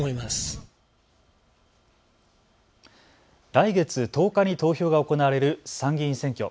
来月１０日に投票が行われる参議院選挙。